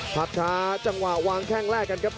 ภาพช้าจังหวะวางแข้งแรกกันครับ